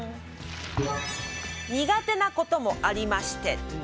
苦手なこともありまして。